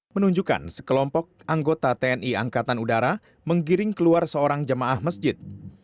menunjukkan sekelompok anggota tni angkatan udara menggiring keluar seorang jemaah masjid